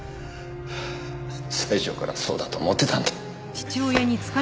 最初からそうだと思ってたんだ。